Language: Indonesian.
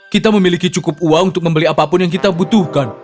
kita memiliki cukup uang untuk membeli apapun yang kita butuhkan